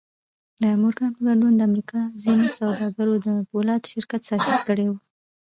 د مورګان په ګډون د امريکا ځينو سوداګرو د پولادو شرکت تاسيس کړی و.